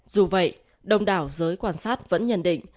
dù vậy đông đảo giới quan sát vẫn nhận định